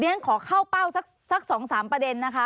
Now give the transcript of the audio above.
ดิฉันขอเข้าเป้าสัก๒๓ประเด็น